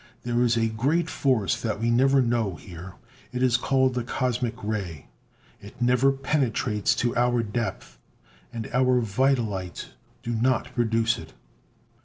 There is a great force that we never know here. It is called the cosmic ray. It never penetrates to our depth. And our vita lights do not produce it."